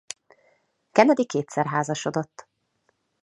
Kennedy kétszer házasodott.